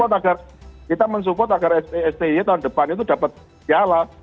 kita support agar kita men support agar sde tahun depan itu dapat piala